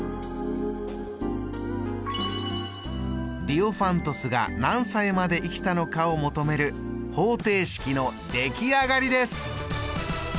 ディオファントスが何歳まで生きたのかを求める方程式の出来上がりです。